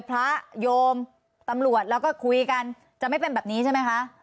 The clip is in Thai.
โยมตำรวจแล้วก็คุยกันจะไม่เป็นแบบนี้ใช่ไหมคะ